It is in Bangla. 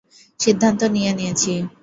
সিদ্ধান্ত নিয়ে নিয়েছি।